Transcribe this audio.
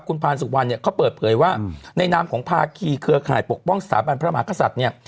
คุณพานสุกวันเขาเปิดเผยว่าในน้ำของภาคีเครือขนาดปกป้องสถาบันพระมหากษัตริย์